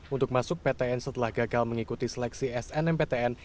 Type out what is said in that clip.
untuk masuk ptn setelah gagal mengikuti seleksi snmptn